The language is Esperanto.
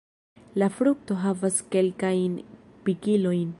La frukto havas kelkajn pikilojn.